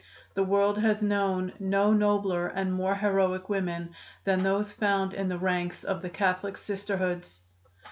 The world has known no nobler and more heroic women than those found in the ranks of the Catholic Sisterhoods."